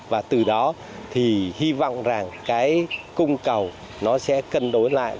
và từ đó thì hy vọng rằng cái cung cầu nó sẽ cân đối lại